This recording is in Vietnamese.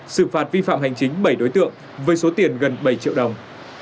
xử phạt vi phạm hành chính bảy đối tượng với số tiền gần bảy triệu đồng